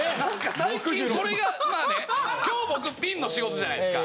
最近それが今日僕ピンの仕事じゃないですか。